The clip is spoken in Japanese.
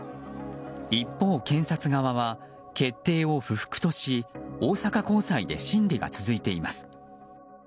一方、検察側は決定を不服とし大阪高裁で審理が続いています。